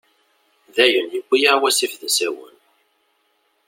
Dayen, yuwi-aɣ wasif d asawen.